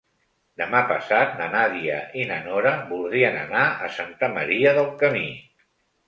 Demà passat na Nàdia i na Nora voldrien anar a Santa Maria del Camí.